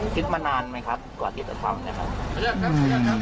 จิตมันนานไหมครับความจิตต้องทำนะ